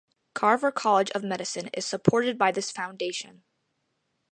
Carver College of Medicine is supported by this foundation.